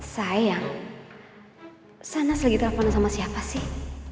sayang sana sedang terpanggil sama siapa sih